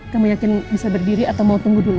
kamu yakin bisa berdiri atau mau tunggu dulu